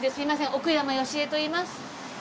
奥山佳恵といいます。